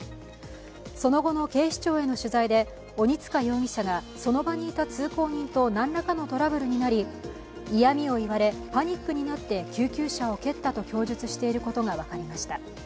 その後の警視庁への取材で鬼束容疑者がその場にいた通行人と何らかのトラブルになり嫌みを言われパニックになって救急車を蹴ったと供述していることが分かりました。